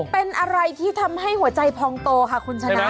เป็นอะไรที่ทำให้หัวใจพองโตค่ะคุณชนะ